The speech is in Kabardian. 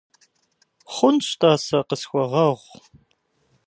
Хъунщ, тӀасэ, къысхуэгъэгъу.